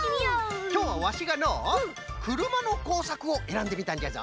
きょうはワシがのうくるまのこうさくをえらんでみたんじゃぞ。